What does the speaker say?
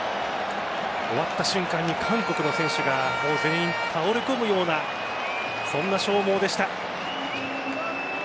終わった瞬間に韓国の選手が全員、倒れ込むようなそんな消耗でした。